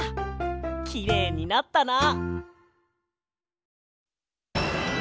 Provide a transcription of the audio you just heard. きれいになったな！